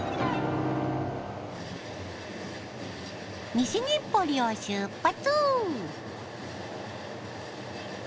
西日暮里を出発！